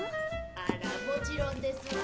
あらもちろんですわ。